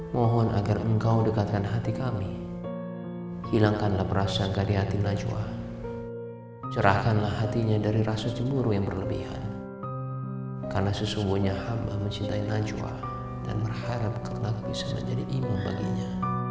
mohon agar engkau dekatkan hati kami hilangkanlah perasaan kari hati najwa cerahkanlah hatinya dari rasa jemur yang berlebihan karena sesungguhnya hamba mencintai najwa dan berharap karena bisa menjadi ibu baginya